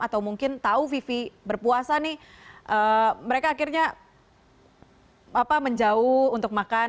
atau mungkin tahu vivi berpuasa nih mereka akhirnya menjauh untuk makan